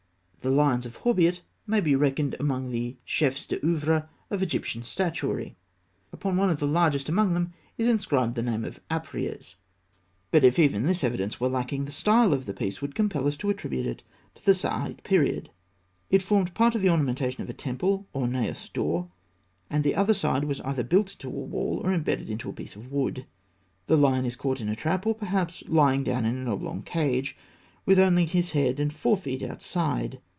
The lions of Horbeit may be reckoned among the chefs d'oeuvre of Egyptian statuary. Upon one of the largest among them is inscribed the name of Apries (fig. 282); but if even this evidence were lacking, the style of the piece would compel us to attribute it to the Saïte period. It formed part of the ornamentation of a temple or naos door; and the other side was either built into a wall or imbedded in a piece of wood. The lion is caught in a trap, or, perhaps, lying down in an oblong cage, with only his head and fore feet outside.